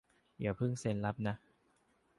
อย่าเพิ่งเซ็นรับนะ